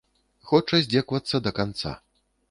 Хоча здзекавацца да канца.